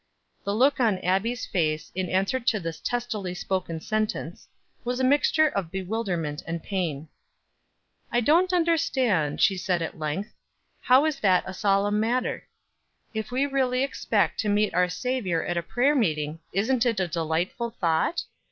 The look on Abbie's face, in answer to this testily spoken sentence, was a mixture of bewilderment and pain. "I don't understand" she said at length "How is that a solemn matter? If we really expect to meet our Savior at a prayer meeting, isn't it a delightful thought?